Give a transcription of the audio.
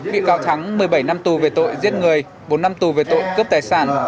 bị cáo thắng một mươi bảy năm tù về tội giết người bốn năm tù về tội cướp tài sản